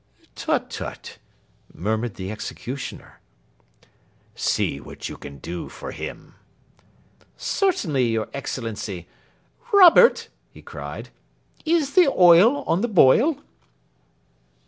"Tut tut!" murmured the executioner. "See what you can do for him." "Certainly, your Excellency. Robert," he cried, "is the oil on the boil?"